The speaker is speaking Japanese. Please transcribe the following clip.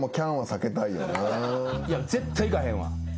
いや絶対いかへんわ。